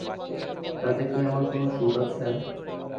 তাতে কি আমার কোনো সুখ আছে?